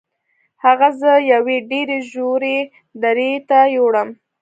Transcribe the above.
هغه زه یوې ډیرې ژورې درې ته یووړم.